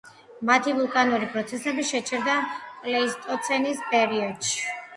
მათი ვულკანური პროცესები შეჩერდა პლეისტოცენის პერიოდში.